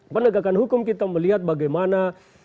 penegakan hukum kita melihat bagaimana